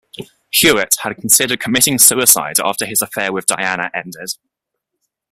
Hewitt had considered committing suicide after his affair with Diana ended.